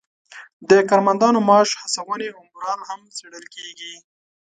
د کارمندانو معاش، هڅونې او مورال هم څیړل کیږي.